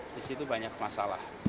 di situ banyak masalah